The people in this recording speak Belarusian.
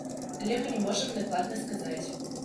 Але мы не можам дакладна сказаць.